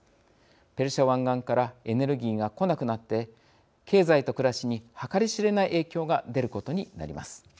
ペルシャ湾岸からエネルギーが来なくなって経済と暮らしに計り知れない影響が出ることになります。